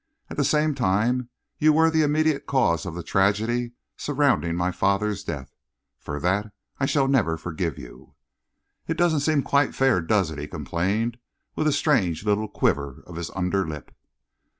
At the same time, you were the immediate cause of the tragedy surrounding my father's death. For that I shall never forgive you." "It doesn't seem quite fair, does it?" he complained, with a strange little quiver of his underlip.